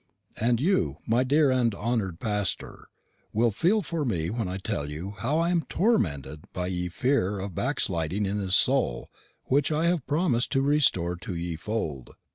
And you, my dear and honour'd pastor, will feel for me when I tell you how I am tormented by ye fear of backsliding in this soul which I have promised to restore to ye fold.